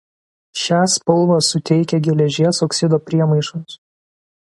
Šią spalvą suteikia geležies oksido priemaišos.